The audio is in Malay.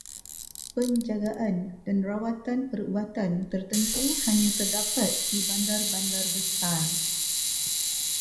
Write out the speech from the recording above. Penjagaan dan rawatan perubatan tertentu hanya terdapat di bandar-bandar besar.